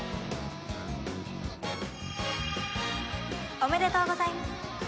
おめでとうございます。